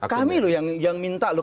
kami loh yang minta loh